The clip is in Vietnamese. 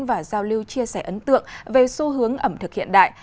và giao lưu chia sẻ ấn tượng về xu hướng ẩm thực hiện đại